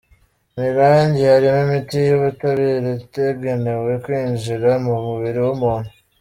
Mu irangi harimo imiti y’ubutabire, itagenewe kwinjira mu mubiri w’umuntu.